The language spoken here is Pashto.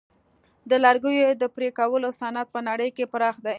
د لرګیو د پرې کولو صنعت په نړۍ کې پراخ دی.